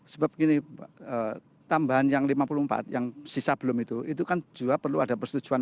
sebab gini tambahan yang lima puluh empat yang sisa belum itu itu kan juga perlu ada persetujuan